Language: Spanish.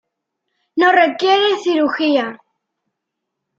No requiere cirugía.